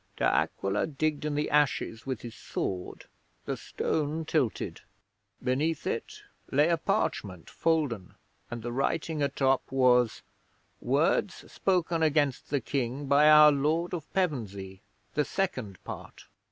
De Aquila digged in the ashes with his sword; the stone tilted; beneath it lay a parchment folden, and the writing atop was: "Words spoken against the King by our Lord of Pevensey the second part."